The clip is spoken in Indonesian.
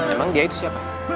emang dia itu siapa